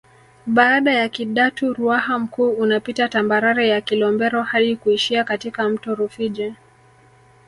Baada ya Kidatu Ruaha Mkuu unapita tambarare ya Kilombero hadi kuishia katika mto Rufiji